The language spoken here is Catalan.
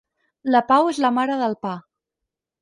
La pau és la mare del pa.